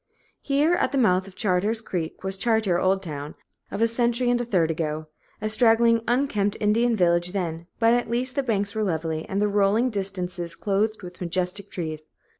Here at the mouth of Chartier's Creek was "Chartier's Old Town" of a century and a third ago; a straggling, unkempt Indian village then, but at least the banks were lovely, and the rolling distances clothed with majestic trees.